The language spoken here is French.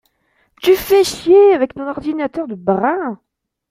Tu fais chier avec ton ordinateur de brin.